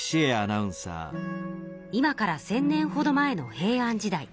今から１，０００年ほど前の平安時代。